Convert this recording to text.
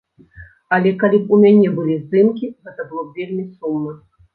Але калі б у мяне былі здымкі, гэта было б вельмі сумна.